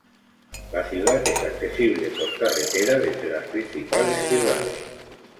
La ciudad es accesible por carretera desde las principales ciudades.